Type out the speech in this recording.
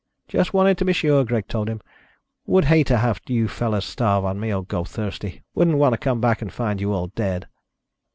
"Just wanted to be sure," Greg told him. "Would hate to have you fellows starve on me, or go thirsty. Wouldn't want to come back and find you all dead."